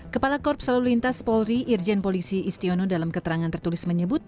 kepala korps lalu lintas polri irjen polisi istiono dalam keterangan tertulis menyebut